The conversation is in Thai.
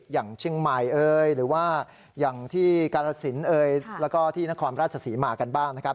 อย่างเชียงใหม่หรือว่าอย่างที่การสินและที่นครราชสีมากันบ้าง